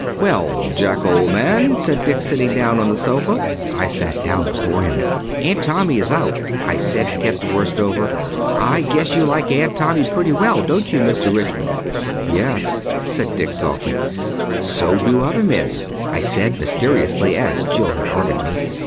"Well, Jack, old man," said Dick, sitting down on the sofa. I sat down before him. "Aunt Tommy is out," I said, to get the worst over. "I guess you like Aunt Tommy pretty well, don't you, Mr. Richmond?" "Yes," said Dick softly. "So do other men," I said mysterious, as Jill had ordered me.